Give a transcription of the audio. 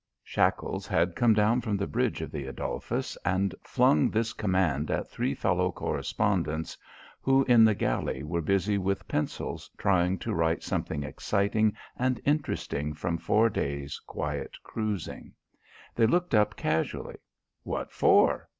Shackles had come down from the bridge of the Adolphus and flung this command at three fellow correspondents who in the galley were busy with pencils trying to write something exciting and interesting from four days quiet cruising. They looked up casually. "What for?"